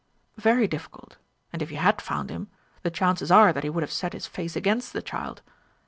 "Very difficult. And if you had found him, the chances are that he would have set his face against the child.